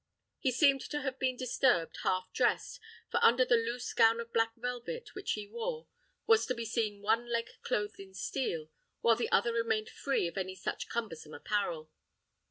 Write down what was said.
He seemed to have been disturbed half dressed; for under the loose gown of black velvet which he wore was to be seen one leg clothed in steel, while the other remained free of any such cumbersome apparel.